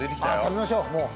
食べましょうもう。